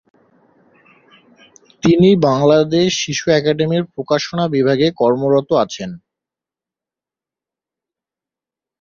তিনি বাংলাদেশ শিশু একাডেমির প্রকাশনা বিভাগে কর্মরত আছেন।